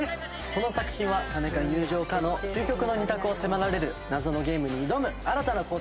この作品は金か友情かの究極の２択を迫られる謎のゲームに挑む新たな考察系ドラマです。